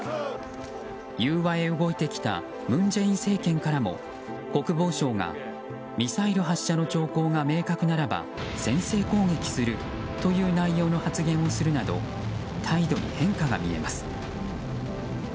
融和へ動いてきた文在寅政権からも国防相がミサイル発射の兆候が明確ならば先制攻撃するという内容の発言をするなど態度に変化が見えます。